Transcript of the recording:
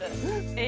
え？